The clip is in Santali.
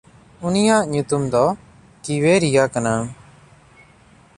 ᱩᱱᱤᱭᱟᱜ ᱧᱩᱛᱩᱢ ᱫᱚ ᱠᱤᱣᱮᱨᱤᱭᱟ ᱠᱟᱱᱟ᱾